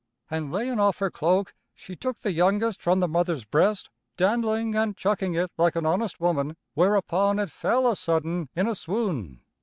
An' layin' off her cloak, she took the youngest from the mother's breast, dandling an' chucking it like an honest woman, whereupon it fell a sudden in a swoon.